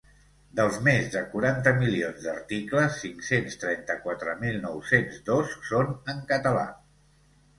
Dels més de quaranta milions d’articles, cinc-cents trenta-quatre mil nou-cents dos són en català.